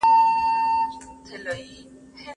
د ډیپلوماسۍ له لاري د بیان حق نه خوندیتږي.